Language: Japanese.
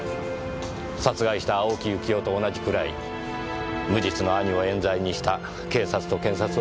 殺害した青木由紀男と同じくらい無実の兄を冤罪にした警察と検察を許せなかったのでしょう。